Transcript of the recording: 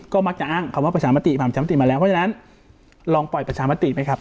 ก็มักจะอ้างคำว่าประชามติผ่านประชามติมาแล้วเพราะฉะนั้นลองปล่อยประชามติไหมครับ